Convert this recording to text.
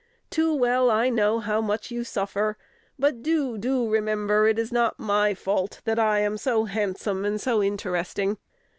Too well I know how much you suffer; but do, do remember, it is not my fault that I am so handsome and so interesting.'